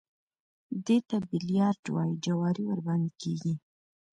دې ته بيليارډ وايي جواري ورباندې کېږي.